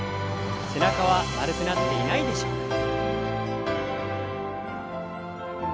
背中は丸くなっていないでしょうか？